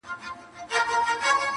o شپه که تياره ده، مڼې په شمار دي٫